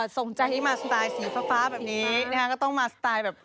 ส่งใจมากเลยนะครับโอ้โฮสีฟ้าแบบนี้นะฮะก็ต้องมาสไตล์แบบ